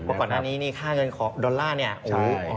ก่อนหน้านี้ค่าเงินของดอลลาร์อ่อนมาก